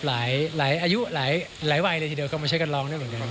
หลายอายุหลายวัยที่เดิมก็มาใช้กันร้องด้วยเหมือนกัน